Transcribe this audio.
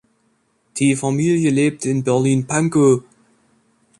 Die Familie lebt in Berlin-Pankow.